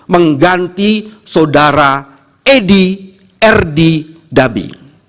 mengganti saudara edy erdidabi